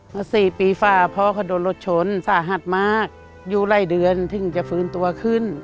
มา๔ปีฝ่าพ่อเขาโดนรถชนสาหัสมากอยู่หลายเดือนถึงจะฟื้นตัวขึ้น